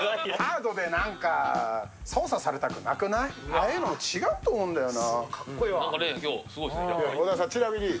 ああいうの違うと思うんだよな。